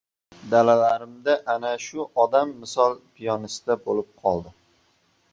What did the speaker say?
Dalalarim-da ana shu odam misol piyonista bo‘lib qoldi.